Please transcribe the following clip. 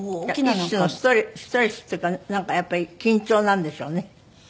一種のストレスっていうかなんかやっぱり緊張なんでしょうね。